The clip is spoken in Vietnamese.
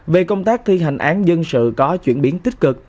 về công tác thi hành án dân sự có chuyển biến tích cực